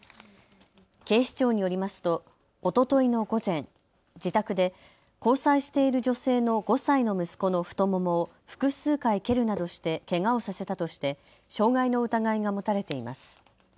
警視庁によりますとおとといの午前、自宅で交際している女性の５歳の息子の太ももを複数回、蹴るなどしてけがをさせたとして傷害の疑いが持たれています。